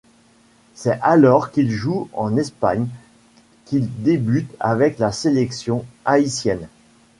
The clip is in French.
C'est alors qu'il joue en Espagne qu'il débute avec la sélection haïtienne.